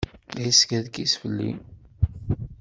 La yeskerkis fell-i.